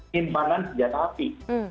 limpanan senjata api